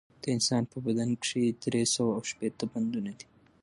د انسان په بدن کښي درې سوه او شپېته بندونه دي